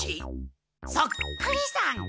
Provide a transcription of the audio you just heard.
そっくりさん。